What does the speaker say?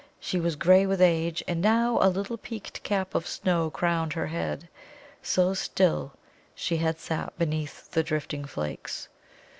She was grey with age, and now a little peaked cap of snow crowned her head, so still she had sat beneath the drifting flakes.